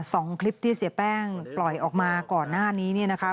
สองคลิปที่เสียแป้งปล่อยออกมาก่อนหน้านี้เนี่ยนะคะ